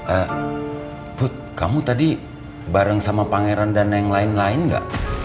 eh put kamu tadi bareng sama pangeran dan yang lain lain nggak